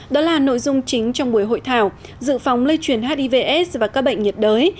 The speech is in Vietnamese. đó là nội dung chính trong buổi hội thảo dự phòng lây chuyển hiv s và các bệnh nhiệt đới